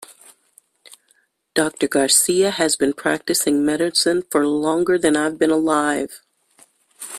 Doctor Garcia has been practicing medicine for longer than I have been alive.